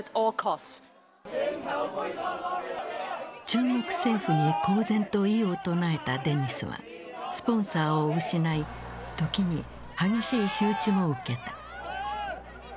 中国政府に公然と異を唱えたデニスはスポンサーを失い時に激しい仕打ちも受けた。